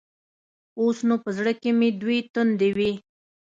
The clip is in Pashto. اوس نو په زړه کښې مې دوې تندې وې.